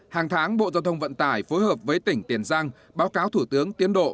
hàng tháng bộ giao thông vận tải phối hợp với tỉnh tiền giang báo cáo thủ tướng tiến độ